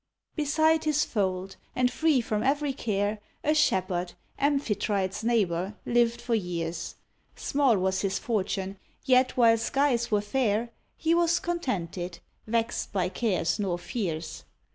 Beside his fold, and free from every care, A Shepherd, Amphitrite's neighbour, lived for years; Small was his fortune, yet while skies were fair, He was contented, vexed by cares nor fears.